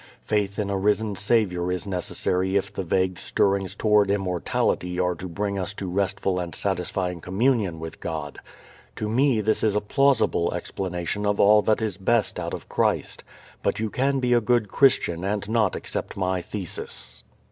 Faith in a risen Saviour is necessary if the vague stirrings toward immortality are to bring us to restful and satisfying communion with God. To me this is a plausible explanation of all that is best out of Christ. But you can be a good Christian and not accept my thesis.